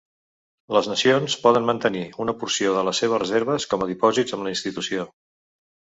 Les nacions poden mantenir una porció de les seves reserves com a dipòsits amb la institució.